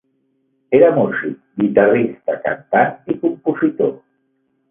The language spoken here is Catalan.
Era músic, guitarrista, cantant i compositor.